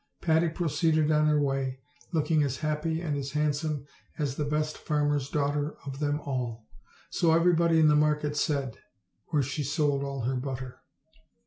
Patty proceeded on her way, looking as happy and as handsome as the best farmer's daughter of them all. So everybody in the market said, where she sold all her butter.